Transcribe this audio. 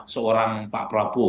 seorang pak prabowo